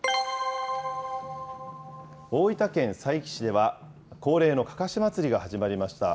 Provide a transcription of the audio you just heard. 大分県佐伯市では恒例のかかし祭りが始まりました。